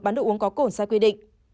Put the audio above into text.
bán đồ uống có cồn sai quy định